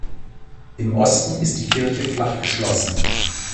Im Osten ist die Kirche flach geschlossen.